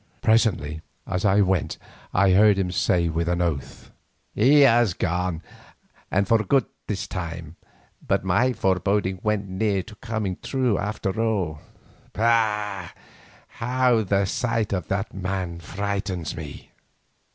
Presently as I went I heard him say with an oath: "He has gone, and for good this time, but my foreboding went near to coming true after all. Bah! how the sight of that man frightens me."